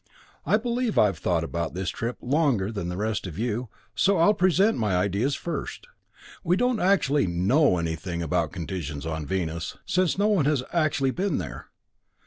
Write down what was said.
I believe I've thought about this trip longer than the rest of you, so I'll present my ideas first. "We don't actually know anything about conditions on Venus, since no one has actually been there.